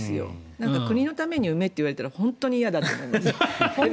国のために産めと言われたら本当に嫌だと思います。